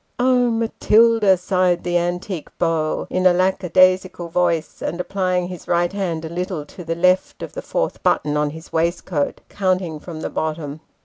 " Oh, Matilda !" sighed the antique beau, in a lack a daisical voice, and applying his right hand a little to the left of the fourth button of his waistcoat, counting from the bottom.